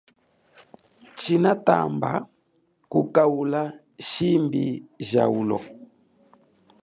Tshinatamba kukaula shimbi ja ulo.